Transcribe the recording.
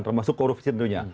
termasuk korupsi tentunya